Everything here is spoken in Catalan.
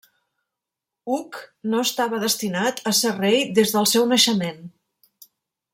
Hug no estava destinat a ser rei des del seu naixement.